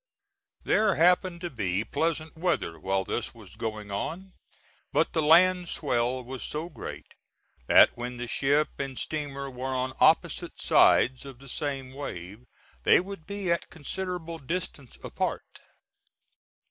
There happened to be pleasant weather while this was going on, but the land swell was so great that when the ship and steamer were on opposite sides of the same wave they would be at considerable distance apart.